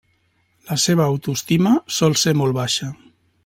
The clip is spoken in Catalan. La seva autoestima sol ser molt baixa.